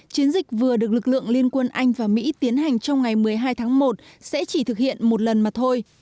chiến dịch vừa được lực lượng liên quân anh và mỹ tiến hành trong ngày một mươi hai tháng một sẽ chỉ thực hiện một lần mà thôi